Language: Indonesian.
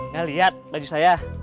nah lihat baju saya